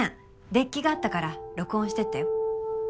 デッキがあったから録音してったよ。